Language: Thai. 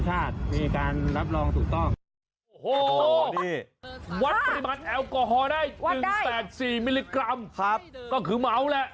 อัลโกฮอล์ได้๑๘๔มิลลิกรัมก็คือเมาส์แหละ